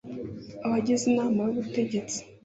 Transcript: Abagize inama y ubutegetsi